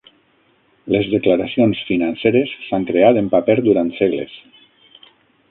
Les declaracions financeres s'han creat en paper durant segles.